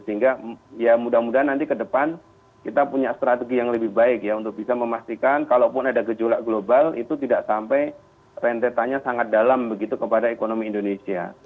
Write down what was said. sehingga ya mudah mudahan nanti ke depan kita punya strategi yang lebih baik ya untuk bisa memastikan kalaupun ada gejolak global itu tidak sampai rentetannya sangat dalam begitu kepada ekonomi indonesia